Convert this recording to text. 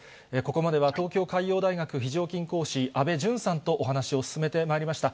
ここまでは東京海洋大学非常勤講師、安倍淳さんとお話を進めてまいりました。